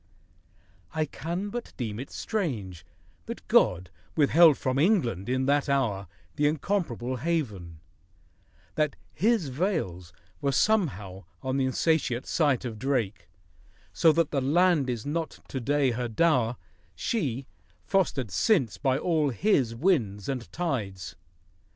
I can but deem it strange That God withheld from England in that hour The incomparable haven, that His veils Were somehow on the insatiate sight of Drake, So that the land is not to day her dow'r — She, fostered since by all His winds and tides!